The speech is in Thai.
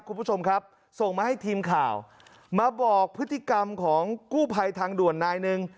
คุณผู้ชมครับส่งมาให้ทีมข่าวมาบอกพฤติกรรมของกู้ภัยทางด่วนนายหนึ่ง